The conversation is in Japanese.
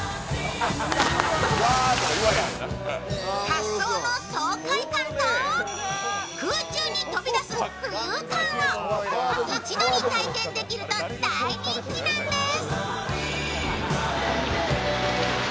滑走の爽快感と空中に飛び出す浮遊感を一度に体験できると大人気なんです。